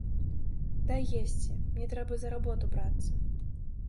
Дай есці, мне трэба за работу брацца!